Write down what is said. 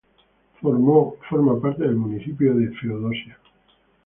Forma parte del Municipio de Feodosia.